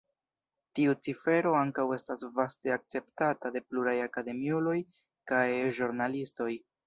Tiu cifero ankaŭ estas vaste akceptata de pluraj akademiuloj kaj ĵurnalistoj.